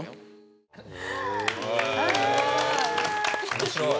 面白い。